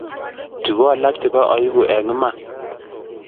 Chu ko alak chebo aibu, eng imana